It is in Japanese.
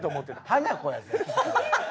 ハナコや。